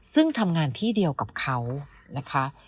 ซึ่งทำงานที่เดียวกับเขานะคะ